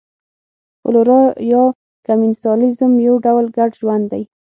فلورا یا کمېنسالیزم یو ډول ګډ ژوند دی.